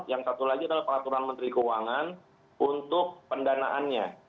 yang satu lagi adalah peraturan menteri keuangan untuk pendanaannya